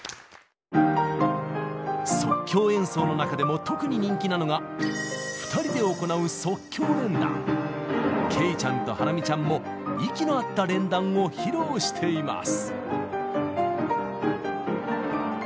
即興演奏の中でも特に人気なのが２人で行うけいちゃんとハラミちゃんも息の合った連弾を披露しています。